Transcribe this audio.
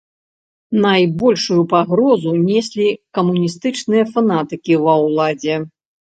Найбольшую пагрозу неслі камуністычныя фанатыкі ва ўладзе.